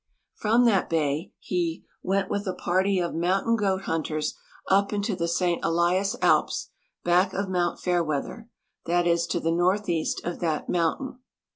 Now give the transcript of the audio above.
From that bay he " went with a party of mountain goat hunters up into the St. Elias Alps back of mount Fairweather — that is, to the northeast of that mountain."